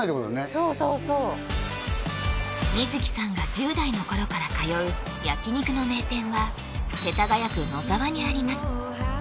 そうそうそう観月さんが１０代の頃から通う焼き肉の名店は世田谷区野沢にあります